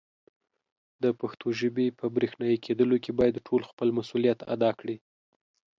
د پښتو ژبې په برښنایې کېدلو کې باید ټول خپل مسولیت ادا کړي.